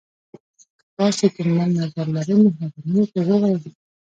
که تاسي کوم بل نظر لری، مهرباني وکړئ ووایئ.